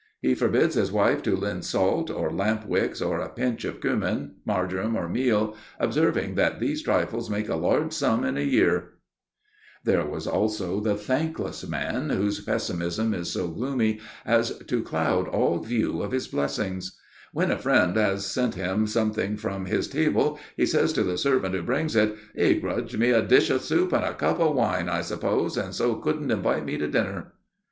He forbids his wife to lend salt or lamp wicks or a pinch of cummin, marjoram, or meal, observing that these trifles make a large sum in a year." [Sidenote: The Thankless Man] There was also the thankless man whose pessimism is so gloomy as to cloud all view of his blessings. "When a friend has sent him something from his table, he says to the servant who brings it: 'He grudged me a dish of soup and a cup of wine, I suppose, and so couldn't invite me to dinner.